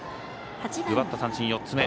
奪った三振は４つ目。